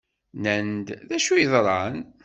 Nnan-d d acu yeḍran?